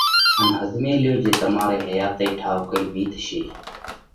ان ۿزمي ليو تو تمارئِي حياتئِي ٺائُوڪئِي وِيتشي۔